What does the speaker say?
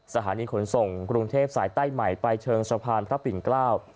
สถานีขนส่งกรุงเทพสายใต้ใหม่ไปเชิงสะพานพระปิ่นเกล้า